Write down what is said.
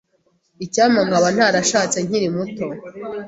Icyampa nkaba ntarashatse nkiri muto.